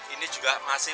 ini juga masih